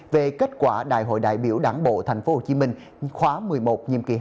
về kết quả đại hội đại biểu đảng bộ tp hcm khóa một mươi một nhiệm kỳ hai nghìn hai mươi hai nghìn hai mươi năm